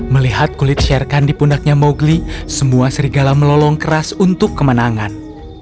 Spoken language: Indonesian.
melihat kulit sherkan di pundaknya mowgli semua serigala melolong keras untuk kemenangan